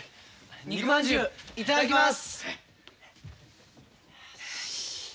肉まんじゅういただきます！